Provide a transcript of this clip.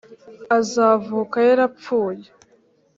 azavuka yarapfuye.